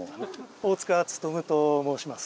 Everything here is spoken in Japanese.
大塚勉と申します。